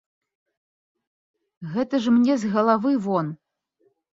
Гэта ж мне з галавы вон.